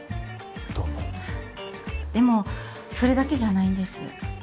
どうもでもそれだけじゃないんです